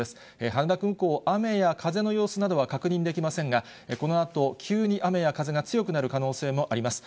羽田空港、雨や風の様子などは確認できませんが、このあと、急に雨や風が強くなる可能性もあります。